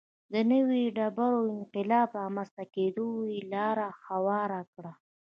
د نوې ډبرې انقلاب رامنځته کېدو ته یې لار هواره کړه.